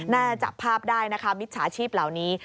จับภาพได้นะคะมิจฉาชีพเหล่านี้